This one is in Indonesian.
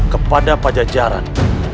kepada pak jajaran